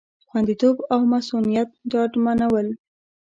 خوندیتوب او مصئونیت ډاډمنول